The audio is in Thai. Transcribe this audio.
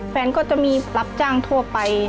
แฟนก็จะมีรับจ้างทั่วไป